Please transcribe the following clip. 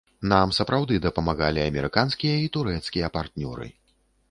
Нам сапраўды дапамагалі амерыканскія і турэцкія партнёры.